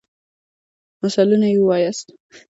مثالونه يي ووایاست.